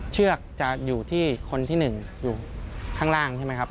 เชือกจะอยู่ที่คนที่๑อยู่ข้างล่างใช่ไหมครับ